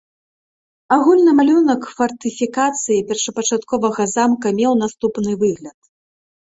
Агульны малюнак фартыфікацыі першапачатковага замка меў наступны выгляд.